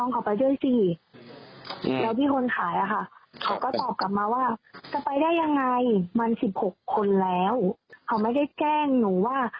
เขาไม่ได้แกล้งหนูว่า